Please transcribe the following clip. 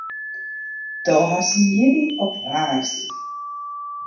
Do hast dyn jierdei op woansdei.